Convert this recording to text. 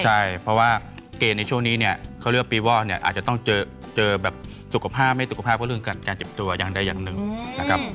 ใช่เพราะว่าเกณฑ์ในช่วงนี้เนี่ยเขาเรียกว่าปีวอลเนี่ยอาจจะต้องเจอแบบสุขภาพไม่สุขภาพก็เรื่องการเจ็บตัวอย่างใดอย่างหนึ่งนะครับ